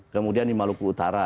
kemudian di maluku utara